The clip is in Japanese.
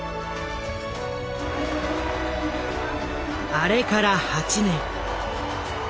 あれから８年。